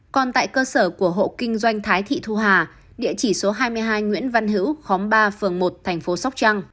còn tại cơ sở của hộ kinh doanh thái thị thu hà địa chỉ số hai mươi hai nguyễn văn hữu khóm ba phường một thành phố sóc trăng